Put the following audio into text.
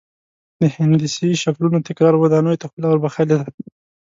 د هندسي شکلونو تکرار ودانیو ته ښکلا ور بخښلې ده.